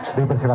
terima kasih pak